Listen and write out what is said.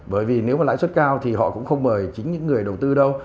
bởi vì nếu mà lãi suất cao thì họ cũng không mời chính những người đầu tư đâu